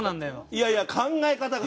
いやいや考え方が。